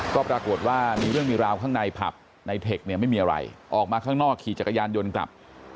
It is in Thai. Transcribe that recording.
ก็ปรากฏว่ามีเรื่องมีราวข้างในผับในเทคเนี่ยไม่มีอะไรออกมาข้างนอกขี่จักรยานยนต์กลับ